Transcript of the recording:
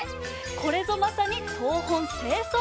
これぞまさに「東奔西走」。